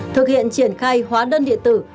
thực hiện triển khai hóa đơn điện tử